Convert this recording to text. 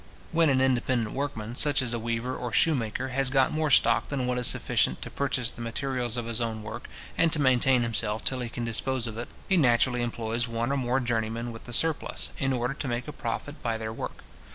When an independent workman, such as a weaver or shoemaker, has got more stock than what is sufficient to purchase the materials of his own work, and to maintain himself till he can dispose of it, he naturally employs one or more journeymen with the surplus, in order to make a profit by their work.